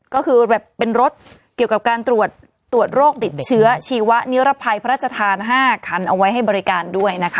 ก็คือแบบเป็นรถเกี่ยวกับการตรวจโรคติดเชื้อชีวะนิรภัยพระราชทาน๕คันเอาไว้ให้บริการด้วยนะคะ